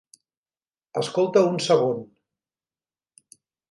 Escolta un segon.